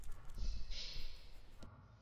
আমি আক্ষরিক অর্থেই একজন নিপীড়িত শিল্পী।